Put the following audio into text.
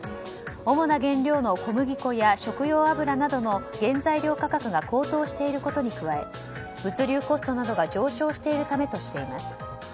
主な原料の小麦粉や食用油などの原材料価格が高騰していることに加え物流コストなどが上昇しているためとしています。